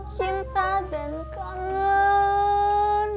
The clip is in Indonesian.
cinta dan kangen